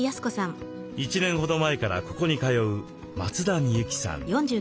１年ほど前からここに通う松田美幸さん。